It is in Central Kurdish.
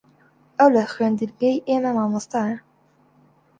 ئەو لە خوێندنگەی ئێمە مامۆستایە.